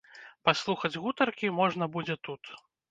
Паслухаць гутаркі можна будзе тут.